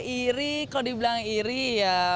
iri kalau dibilang iri ya